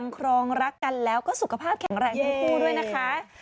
ครองรักกันแล้วก็สุขภาพแข็งแรงทั้งคู่ด้วยนะคะ